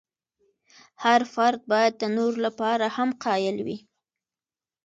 هر فرد باید د نورو لپاره هم قایل وي.